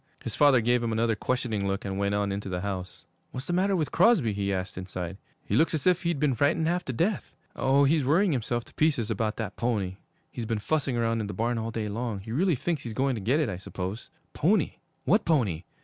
His father gave him another questioning look and went on into the house. 'What's the matter with Crosby?' he asked inside. 'He looks as if he'd been frightened half to death.' 'Oh, he's worrying himself to pieces about that pony. He's been fussing round in the barn all day long. He really thinks he's going to get it, I suppose.' 'Pony? What pony?